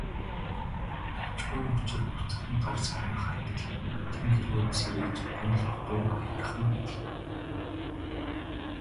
Навчгүй мөчир нүцгэн гар сарвайх адил тэнгэр өөд сэрийж, гунигт дуу аяархан аялна.